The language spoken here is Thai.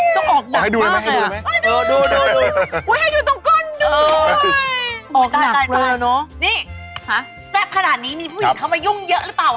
ต้องออกหนักมากเลยอ่ะให้ดูนะไว้ให้ดูตรงก้นด้วยออกหนักเลยนี่แซ่บขนาดนี้มีผู้หญิงเขามายุ่งเยอะหรือเปล่า